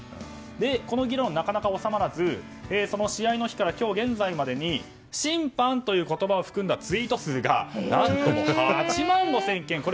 この議論、なかなか収まらず試合の日から今日現在までに審判という言葉を含んだツイート数が８万５０００件。